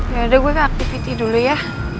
ya udah gue ke aktiviti dulu ya